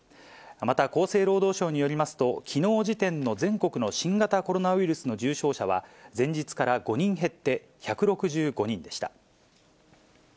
また厚生労働省によりますと、きのう時点の全国の新型コロナウイルスの重症者は、前日から５人減って１６５人でした。